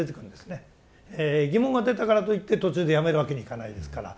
疑問が出たからといって途中でやめるわけにいかないですから。